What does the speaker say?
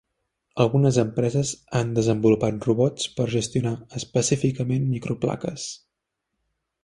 Algunes empreses han desenvolupat robots per gestionar específicament microplaques.